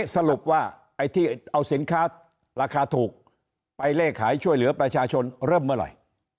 สรุปว่าไอ้ที่เอาสินค้าราคาถูกไปเลขขายช่วยเหลือประชาชนเริ่มเมื่อไหร่